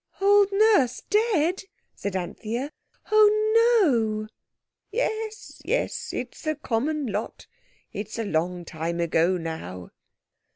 "Old Nurse dead?" said Anthea. "Oh, no!" "Yes, yes, it's the common lot. It's a long time ago now."